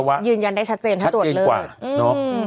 อันนั้นยืนยันได้ชัดเจนถ้าตรวจเลือด